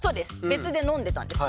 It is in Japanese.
別で飲んでたんです。